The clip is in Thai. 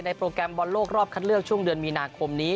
โปรแกรมบอลโลกรอบคัดเลือกช่วงเดือนมีนาคมนี้